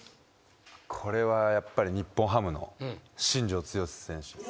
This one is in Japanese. これはやっぱり日本ハムの新庄剛志選手です。